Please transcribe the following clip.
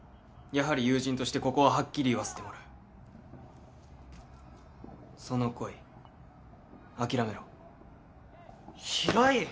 やはり友人としてここははっきり言わせてもらうその恋諦めろ平井